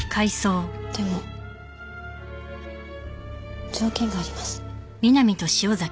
でも条件があります。